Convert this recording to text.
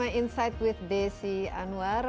bersama insight with desi anwar